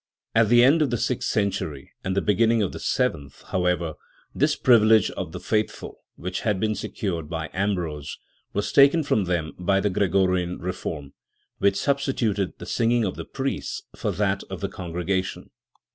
At the end of the sixth century and the beginning of the seventh, however, this privilege of the faithful, which had been secured by Ambrose, was taken from them by the Gregorian reform, which substituted the singing of the priests for that of the congregation.